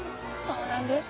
そうなんです。